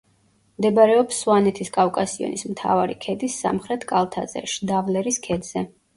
მდებარეობს სვანეთის კავკასიონის მთავარი ქედის სამხრეთ კალთაზე, შდავლერის ქედზე.